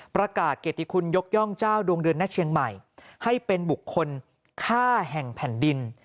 ประกาศเกติคุณยกย่องเจ้าดวงเดือนหน้าเชียงใหม่ให้เป็นบุคคลฆ่าแห่งแผ่นดิน